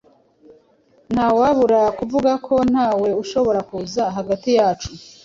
Ntawabura kuvuga ko ntawe ushobora kuza hagati yacu.